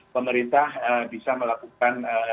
pemerintah bisa melakukan